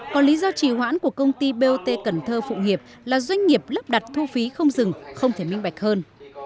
còn lý do trì hoãn của công ty bot cần thơ phụ nghiệp là doanh nghiệp lắp đặt thu phí không dừng không thể minh bạch hơn